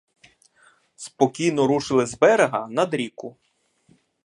Спокійно рушили з берега над ріку.